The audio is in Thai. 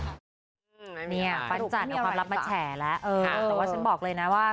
มันนี่เนี่ยควัญจัจออกความลับมาแฉ่แล้วเออแต่ว่าฉันบอกเลยน่ะว่า